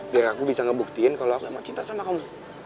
biar aku bisa ngebuktiin kalau aku emang cinta sama kamu